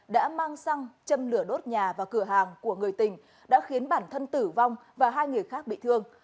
đã mang xăng châm lửa đốt nhà và cửa hàng của người tình đã khiến bản thân tử vong và hai người khác bị thương